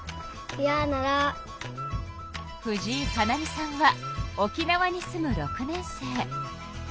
藤井可菜美さんは沖縄に住む６年生。